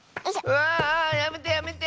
うわあやめてやめて！